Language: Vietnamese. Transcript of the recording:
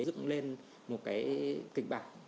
dựng lên một kịch bản